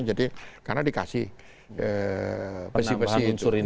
jadi karena dikasih besi besi itu